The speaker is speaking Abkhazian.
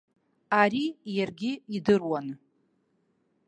Ари иаргьы идыруан.